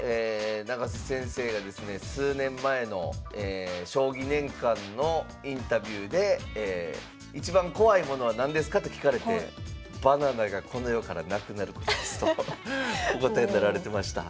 永瀬先生がですね数年前の「将棋年鑑」のインタビューで「一番怖いものは何ですか？」と聞かれて「バナナがこの世からなくなることです」とお答えになられてました。